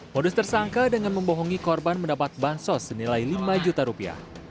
modus tersangka dengan membohongi korban mendapat bansos senilai lima juta rupiah